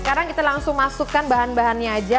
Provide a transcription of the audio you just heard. sekarang kita langsung masukkan bahan bahannya aja